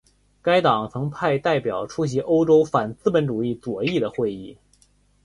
该党曾派代表出席欧洲反资本主义左翼的会议。